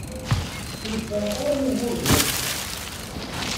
Ur sɛiɣ ara ugur d wannect-a.